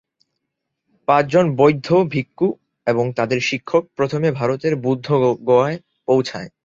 পাঁচজন বৌদ্ধ ভিক্ষু এবং তাদের শিক্ষক প্রথমে ভারতের বুদ্ধগয়ায় পৌঁছায়।